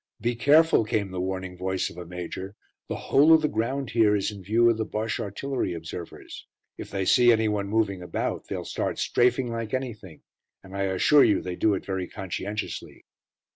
"Be careful," came the warning voice of a major, "the whole of the ground here is in view of the Bosche artillery observers. If they see anyone moving about they'll start 'strafing' like anything, and I assure you they do it very conscientiously."